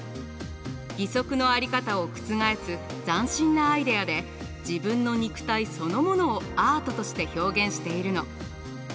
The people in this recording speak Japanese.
義足の在り方を覆す斬新なアイデアで自分の肉体そのものをアートとして表現しているの。